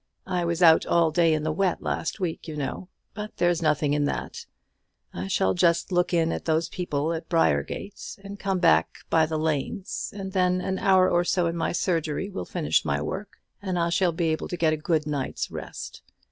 I was out all day in the wet, last week, you know; but there's nothing in that. I shall just look in at those people at Briargate, and come back by the lanes; and then an hour or so in the surgery will finish my work, and I shall be able to get a good night's rest.